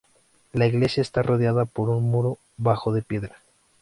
La iglesia está rodeada por un muro bajo de piedra.